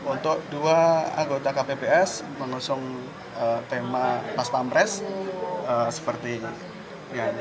untuk dua anggota kpps mengusung tema pas pampres seperti ini